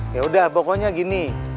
yaudah pokoknya gini